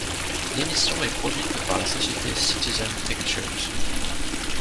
L'émission est produite par la société Citizen Pictures.